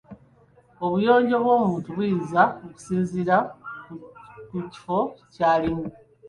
Obuyonjo bw'omuntu buyinza okusinziira ku kifo ky’alimu.